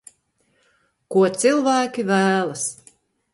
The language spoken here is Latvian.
Ko cilvēki vēlas.